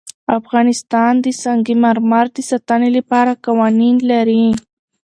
افغانستان د سنگ مرمر د ساتنې لپاره قوانین لري.